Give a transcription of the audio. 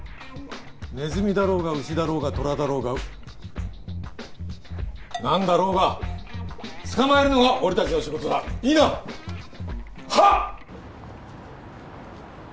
ネズミだろうがウシだろうがトラだろうが何だろうが捕まえるのが俺達の仕事だいいなはっ！